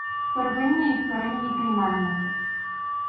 Первинні і вторинні прийменники